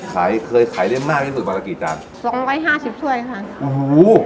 ขายเคยขายได้มากที่สุดวันละกี่จานสองสิบห้าชิบถ้วยค่ะอู้หู